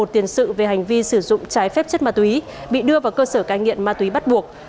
một tiền sự về hành vi sử dụng trái phép chất ma túy bị đưa vào cơ sở cai nghiện ma túy bắt buộc